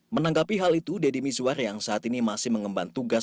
menanggapi hal itu deddy mizwar yang saat ini masih mengemban tugas